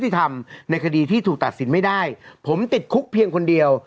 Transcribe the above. ที่ถูกตัดสินไม่ได้ผมติดคุกเพียงคนเดียว